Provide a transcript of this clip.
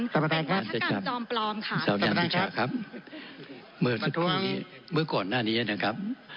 สวัสดีครับสวัสดีครับมือก่อนหน้านี้นะครับ